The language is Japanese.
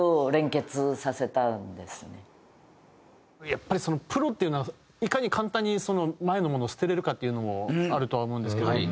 やっぱりプロっていうのはいかに簡単に前のものを捨てれるかっていうのもあるとは思うんですけど